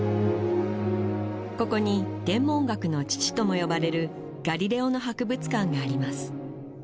ここに天文学の父とも呼ばれるガリレオの博物館があります